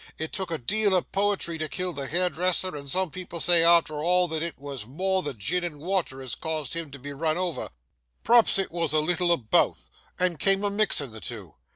It took a deal o' poetry to kill the hairdresser, and some people say arter all that it was more the gin and water as caused him to be run over; p'r'aps it was a little o' both, and came o' mixing the two.